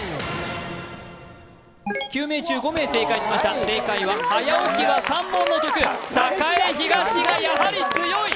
９名中５名、正解しました正解は早起きは三文の徳栄東がやはり強い！